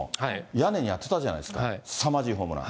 屋根に当てたじゃないですか、すさまじいホームラン。